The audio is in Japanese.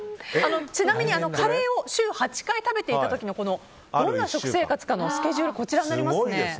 ちなみにカレーを週８回食べていた時のどんな食生活かのスケジュールです。